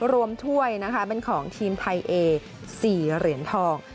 รวมถ้วยเป็นของทีมไทยเอหา๔เหรียญทอง